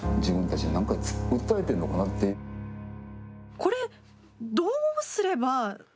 これ、どうすれば？